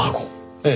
ええ。